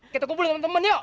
kita kumpulin temen temen yuk